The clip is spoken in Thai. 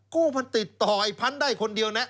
กู้มันติดต่อไอ้พันธุ์ได้คนเดียวนะ